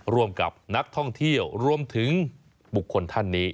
ร่วมกับนักท่องเที่ยวรวมถึงบุคคลท่านนี้